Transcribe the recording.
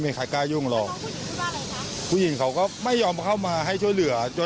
แปะแบบนี้เลยก็เลยว่ามันไม่ใช่แล้ว